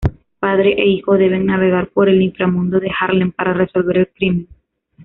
Padre e hijo deben navegar por el inframundo de Harlem para resolver el crimen.